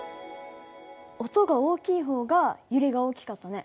音が大きい方が揺れが大きかったね。